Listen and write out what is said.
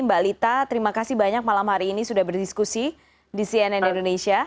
mbak lita terima kasih banyak malam hari ini sudah berdiskusi di cnn indonesia